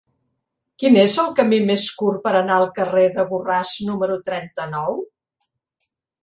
Quin és el camí més curt per anar al carrer de Borràs número trenta-nou?